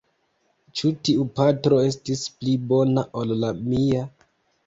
Ĉu tiu patro estis pli bona ol la mia?